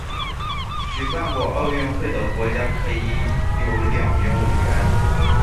举办过奥运会的国家可以有两名委员。